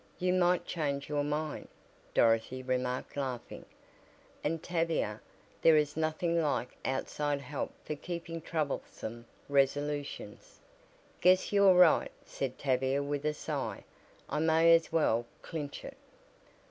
"You might change your mind," Dorothy remarked laughing, "and Tavia, there is nothing like outside help for keeping troublesome resolutions." "Guess you're right," said Tavia with a sigh. "I may as well clinch it."